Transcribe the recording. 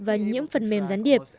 và nhiễm phần mềm gián điệp